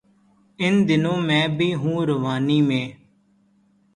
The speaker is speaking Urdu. ان دنوں میں بھی ہوں روانی میں